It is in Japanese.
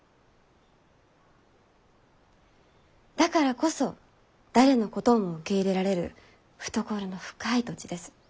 だからこそ誰のことも受け入れられる懐の深い土地です。